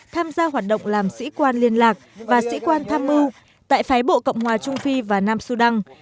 tham gia hoạt động làm sĩ quan liên lạc và sĩ quan tham mưu tại phái bộ cộng hòa trung phi và nam sudan